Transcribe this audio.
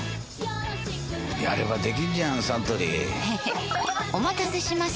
やればできんじゃんサントリーへへっお待たせしました！